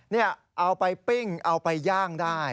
นี่เอาไปปิ้งเอาไปย่างได้